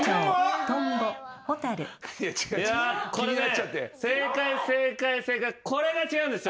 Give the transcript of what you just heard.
これね正解正解正解これが違うんですよ。